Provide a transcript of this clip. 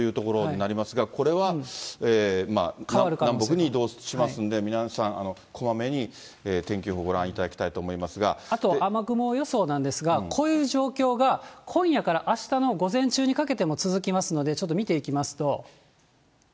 市、鳥取という所になりますが、これは南北に移動しますんで、皆さん、こまめに天気予報ご覧いたあと、雨雲予想なんですが、こういう状況が、今夜からあしたの午前中にかけても続きますので、ちょっと見ていきますと。